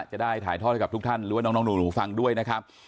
จะได้ถ่ายทอดให้กับทุกท่านหรือว่าน้องหนูฟังด้วยนะครับ